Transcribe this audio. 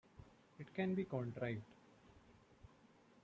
It can be contrived.